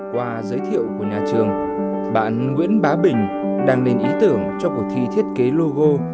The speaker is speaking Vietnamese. qua giới thiệu của nhà trường bạn nguyễn bá bình đăng nên ý tưởng cho cuộc thi thiết kế logo